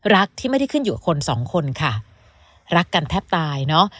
รักที่ไม่ได้ขึ้นอยู่กับคนสองคนค่ะรักกันแทบตายเนอะ